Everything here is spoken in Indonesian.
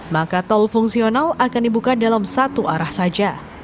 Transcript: maka tol fungsional akan dibuka dalam satu arah saja